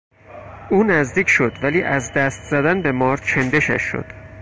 او نزدیک شد ولی از دست زدن به مار چندشش شد.